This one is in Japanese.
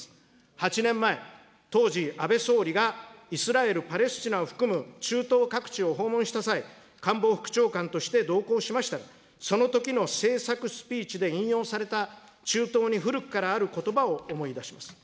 ８年前、当時、安倍総理がイスラエル・パレスチナを含む中東各地を訪問した際、官房副長官として同行しましたが、そのときの政策スピーチで引用された、中東に古くからあることばを思い出します。